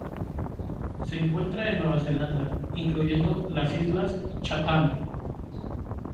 Se encuentra en Nueva Zelanda, incluyendo las Islas Chatham.